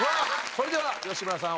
それでは吉村さん